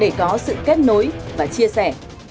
để có thể tiết kiệm chi phí